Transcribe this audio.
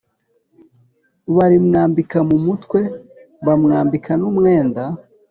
Barimwambika mu mutwe bamwambika n umwenda